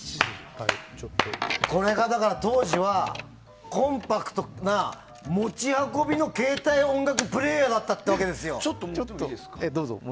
これが当時はコンパクトな持ち運びの携帯音楽プレーヤーだったってことですよ。